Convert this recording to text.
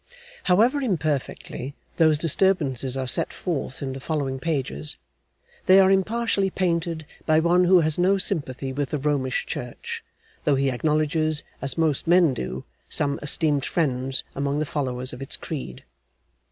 However imperfectly those disturbances are set forth in the following pages, they are impartially painted by one who has no sympathy with the Romish Church, though he acknowledges, as most men do, some esteemed friends among the followers of its creed.